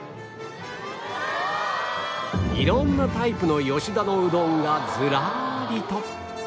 色んなタイプの吉田のうどんがずらりと